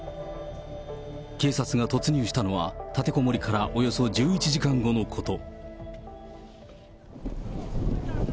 警察が突入したのは、立てこもりからおよそ１１時間後のこと。